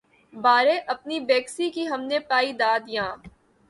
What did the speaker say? بارے‘ اپنی بیکسی کی ہم نے پائی داد‘ یاں